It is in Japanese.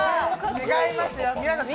違いますよ。